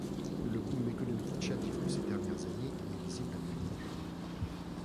Le boom économique tchadien de ces dernières années y est visible à l’œil nu.